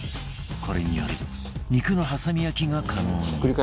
これにより肉の挟み焼きが可能に